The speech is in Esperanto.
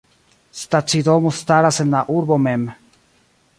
Stacidomo staras en la urbo mem.